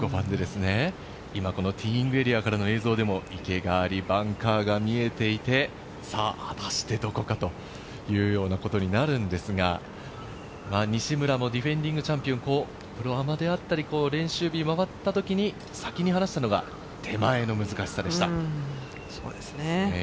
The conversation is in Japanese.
今、ティーイングエリアからの映像でも池があり、バンカーが見えていて、果たしてどこか？というようなことになるんですが、西村もディフェンディングチャンピオン、プロ、アマであったり練習日回った時に先に話したのが、手前の難しさでした。